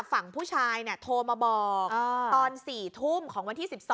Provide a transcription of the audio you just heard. ฝั่งผู้ชายโทรมาบอกตอน๔ทุ่มของวันที่๑๒